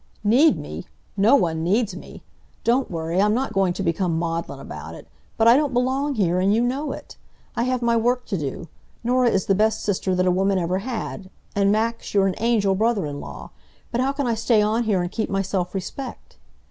"Need me! No one needs me. Don't worry; I'm not going to become maudlin about it. But I don't belong here, and you know, it. I have my work to do. Norah is the best sister that a woman ever had. And Max, you're an angel brother in law. But how can I stay on here and keep my self respect?"